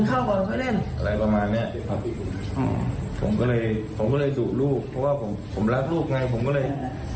ผมก็เลยไม่อยากให้ลูกโดนด่าอะไรอย่างนี้